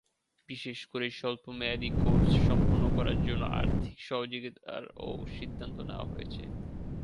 বিশেষ করে স্বল্পমেয়াদি কোর্স সম্পন্ন করার জন্য আর্থিক সহযোগিতারও সিদ্ধান্ত নেওয়া হয়েছে।